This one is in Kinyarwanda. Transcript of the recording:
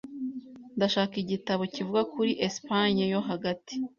Ndashaka igitabo kivuga kuri Espagne yo hagati.